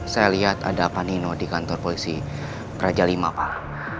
saya lihat ada apa nino di kantor polisi raja lima pak